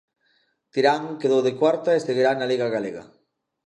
Tirán quedou de cuarta e seguirá na Liga Galega.